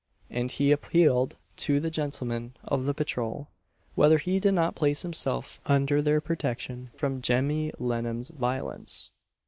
and he appealed to the "gentlemen of the patrol," whether he did not place himself under their protection from Jemmy Lennam's wiolence.